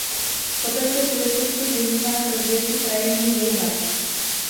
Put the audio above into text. Kopec je turisticky využíván pro zdejší krajinný výhled.